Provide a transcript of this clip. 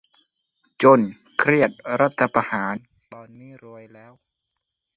"จน เครียด รัฐประหาร" ตอนนี้รวยแล้ว